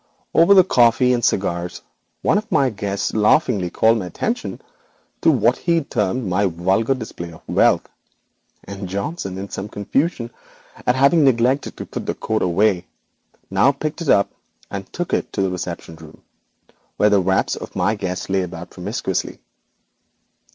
'Over the coffee and cigars one of my guests laughingly called attention to what he termed my vulgar display of wealth, and Johnson, in some confusion at having neglected to put away the coat, now picked it up, and took it to the reception room where the wraps of my guests lay about promiscuously.